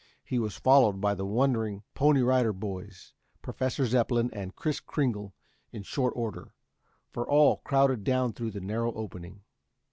He was followed by the wondering Pony Rider Boys, Professor Zepplin and Kris Kringle in short order, for all crowded down through the narrow opening.